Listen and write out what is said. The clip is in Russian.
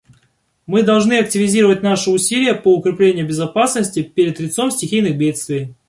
Мы должны активизировать наши усилия по укреплению безопасности перед лицом стихийных бедствий.